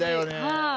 はい。